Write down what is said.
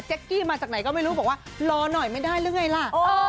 กี้มาจากไหนก็ไม่รู้บอกว่ารอหน่อยไม่ได้หรือไงล่ะ